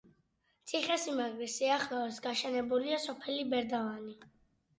ციხესიმაგრის სიახლოვეს გაშენებულია სოფელი ბერდავანი.